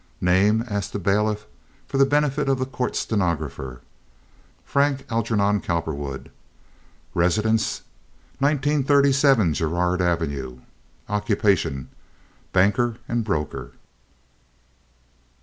"Name?" asked the bailiff, for the benefit of the court stenographer. "Frank Algernon Cowperwood." "Residence?" "1937 Girard Avenue." "Occupation?" "Banker and broker."